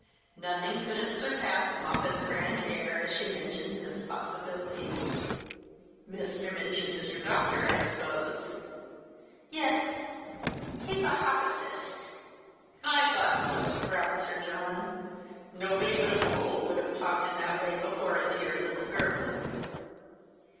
" Nothing could have surpassed Moppet's grand air as she mentioned this jjossibility. " Mr. Minchin is your doctor, I suppose ?"" Yes ; he's a hoppafist." The Christmas Hirelings. 135 " I thought so," growled Sir John. " Xobody but a foul would have talked in that way before a dear little girl."